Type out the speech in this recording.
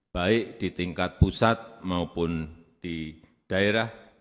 baik di tingkat pusat maupun di daerah